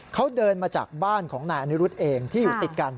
เขาเดินมาจากบ้านของนายอนิรุธเองที่อยู่ติดกัน